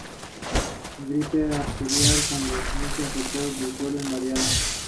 Pasó su infancia en North Hollywood, California, junto a sus hermanos y hermanas menores.